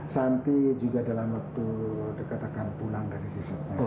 santi juga dalam waktu dikatakan pulang dari risetnya